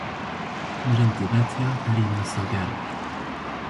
Mirin dibetiya herî misoger e.